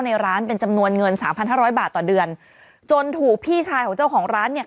ในร้านเป็นจำนวนเงินสามพันห้าร้อยบาทต่อเดือนจนถูกพี่ชายของเจ้าของร้านเนี่ย